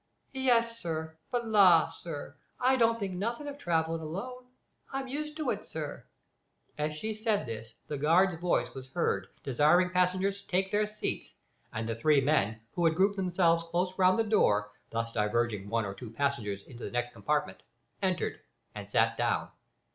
"Yes, sir; but la, sir, I don't think nothink of travellin' alone. I'm used to it, sir." As she said this the guard's voice was heard desiring passengers to take their seats, and the three men, who had grouped themselves close round the door, thus diverging one or two passengers into the next compartment, entered, and sat down.